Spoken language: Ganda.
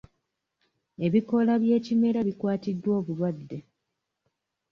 Ebikoola by'ekimera bikwatiddwa obulwadde.